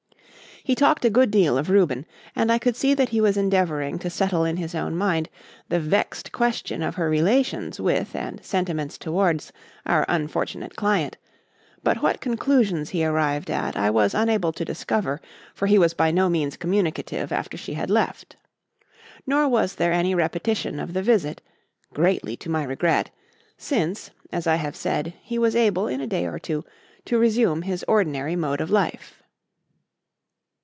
He talked a good deal of Reuben, and I could see that he was endeavouring to settle in his own mind the vexed question of her relations with and sentiments towards our unfortunate client; but what conclusions he arrived at I was unable to discover, for he was by no means communicative after she had left. Nor was there any repetition of the visit greatly to my regret since, as I have said, he was able, in a day or two, to resume his ordinary mode of life.